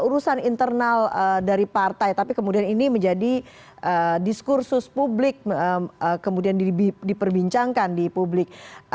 urusan internal dari partai tapi kemudian ini menjadi diskursus publik kemudian diperbincangkan di publik